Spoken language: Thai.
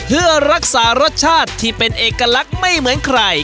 เพื่อรักษารสชาติที่เป็นเอกลักษณ์ไม่เหมือนใคร